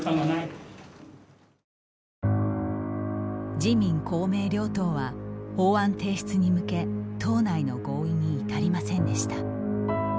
自民・公明両党は法案提出に向け党内の合意に至りませんでした。